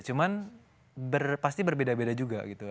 cuman pasti berbeda beda juga gitu